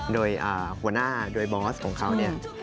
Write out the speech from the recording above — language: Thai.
โดยหัวหน้าโดยบอสของเขาเนี่ย